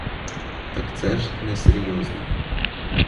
Так це ж несерйозно.